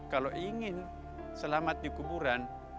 kalau ingin selamat di kuburan